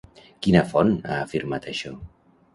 Quina font ha afirmat això?